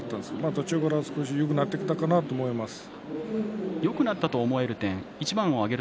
途中から少しよくなってきたかなよくなった点